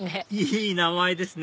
いい名前ですね